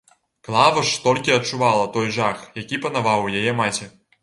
Клава ж толькі адчувала той жах, які панаваў у яе маці.